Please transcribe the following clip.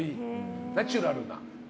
ナチュラルな？